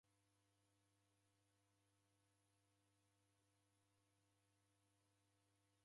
Wadunga ngokoro ukilomba w'ughoma.